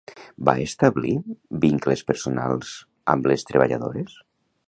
Va establir vincles personals amb les treballadores?